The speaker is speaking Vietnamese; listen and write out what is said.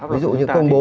ví dụ như công bố